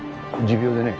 持病でね。